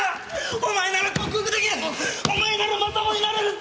お前なら克服出来るお前ならまともになれるって！